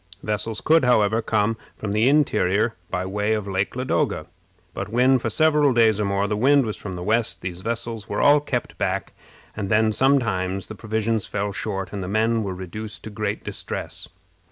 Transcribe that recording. Vessels could, however, come from the interior by way of Lake Ladoga; but when for several days or more the wind was from the west, these vessels were all kept back, and then sometimes the provisions fell short, and the men were reduced to great distress.